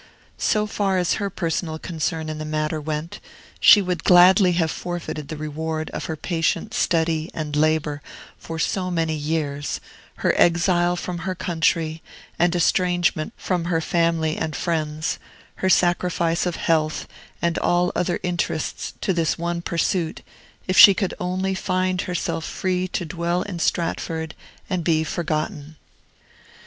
So far as her personal concern in the matter went, she would gladly have forfeited the reward of her patient study and labor for so many years, her exile from her country and estrangement from her family and friends, her sacrifice of health and all other interests to this one pursuit, if she could only find herself free to dwell in Stratford and be forgotten.